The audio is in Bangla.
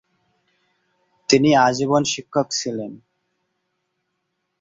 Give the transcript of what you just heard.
তিনি আজীবন শিক্ষক ছিলেন।